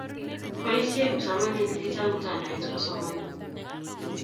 Boisie kipsomaninik che chang mtandaoit kosomonik.